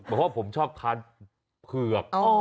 เพราะว่าผมชอบทานเผือก